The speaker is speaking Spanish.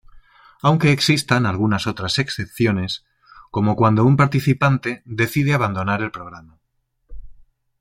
Aunque existan algunas otras excepciones como cuando un participante decide abandonar el programa.